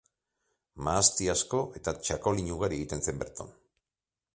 Mahasti asko eta txakolin ugari egiten zen berton.